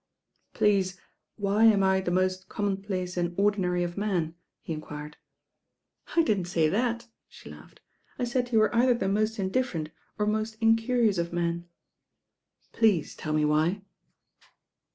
"Please why am I the most conmionplace and ordinary of men?" he enquired. "I didn't say that," she laughed. "I said you were either the most indifferent or most incurious of men." "Please teU me why?"